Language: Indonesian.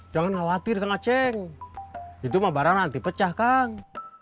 jangan khawatir kang aceng itu mabaran nanti pecah kang